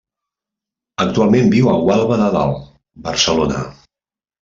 Actualment viu a Gualba de Dalt, Barcelona.